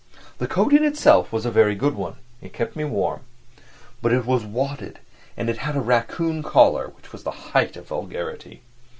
The coat in itself was a very good one, it kept me warm; but it was wadded and it had a raccoon collar which was the height of vulgarity.